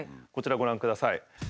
こちらご覧ください。